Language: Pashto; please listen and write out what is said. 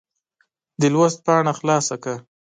د لوست پاڼه خلاصه کړه.